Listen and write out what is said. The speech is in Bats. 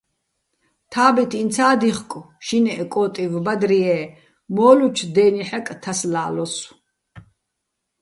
თა́ბით ინცა́ დიხკო̆ შინეჸ კო́ტივ ბადრიე́, მო́ლუჩო̆ დე́ნიჰ̦აკ თასლა́ლოსო̆.